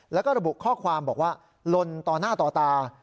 แล้วก็ระบุข้อความบอกว่าลนต่อหน้าต่อตา